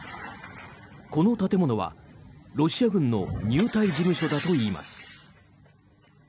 この建物はロシア軍の入隊事務所だといいます。